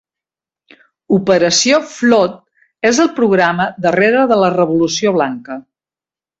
Operació Flood és el programa darrere de la revolució blanca.